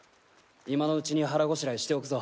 今のうちに腹ごしらえしておくぞ。